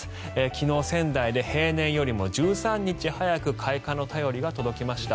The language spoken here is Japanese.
昨日、仙台で平年よりも１３日早く開花の便りが届きました。